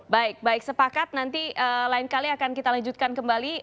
baik baik sepakat nanti lain kali akan kita lanjutkan kembali